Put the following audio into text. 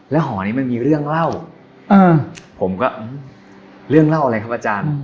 หอนี้มันมีเรื่องเล่าผมก็เรื่องเล่าอะไรครับอาจารย์